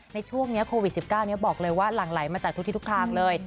ในช่วงนี้โควิด๑๙บอกเลยว่าหลั่งไหลมาจากทุกที่ทุกทางเลย